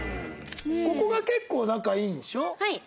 ここが結構仲いいんでしょ？